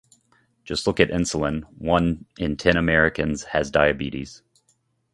Just look at insulin. One in ten Americans has diabetes.